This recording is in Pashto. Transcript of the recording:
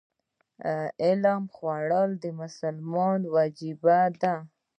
علم خورل د مسلمان وجیبه ده.